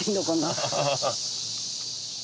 アハハハ。